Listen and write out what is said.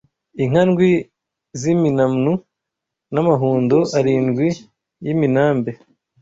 Inka ndwi z’iminanu n’amahundo arindwi y’iminambe